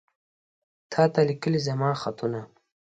تاته ليکلي زما خطونه